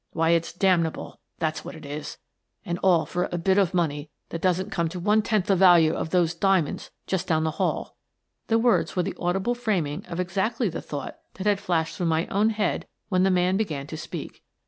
Why, it's damnable, that's what it is — and all for a bit of money that doesn't come to one tenth the value of those diamonds just down the hall!" The words were the audible framing of exactly the thought that had flashed through my own head when the man began to speak.